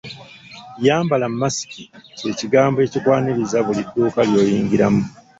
Yambala masiki kye kigambo ekikwaniriza ku buli dduuka lw'oyingira mu.